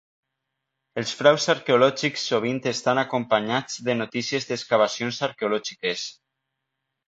Els fraus arqueològics sovint estan acompanyats de notícies d'excavacions arqueològiques.